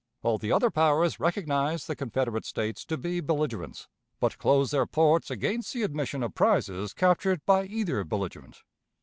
All the other powers recognized the Confederate States to be belligerents, but closed their ports against the admission of prizes captured by either belligerent.